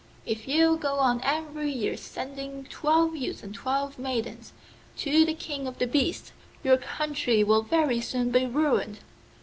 If you go on every year sending twelve youths and twelve maidens to the King of the Beasts, your country will very soon be ruined.